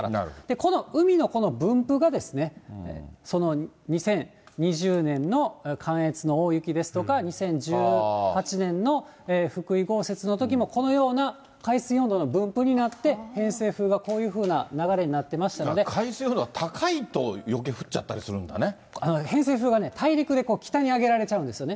この海のこの分布が、その２０２０年の関越の大雪ですとか、２０１８年の福井豪雪のときも、このような海水温度の分布になって、偏西風がこういうふうな流れだから海水温度が高いと、偏西風が大陸で北に上げられちゃうんですよね。